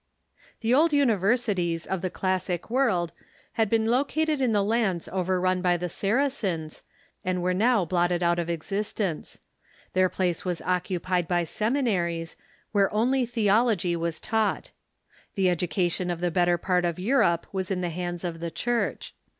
The old universities of the classic Avorld had been located in the lands overrun by the Saracens, and were now blotted out of existence. Their place was occupied by sem Episcopai inaries, where only theolosry was tauo ht. The edu Seminary .'•'~*'* cation of the better part of Europe was in the hands of the Church.